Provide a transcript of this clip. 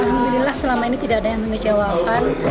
alhamdulillah selama ini tidak ada yang mengecewakan